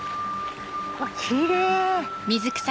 キレイ！